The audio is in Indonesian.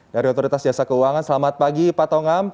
dari otoritas jasa keuangan selamat pagi pak tongam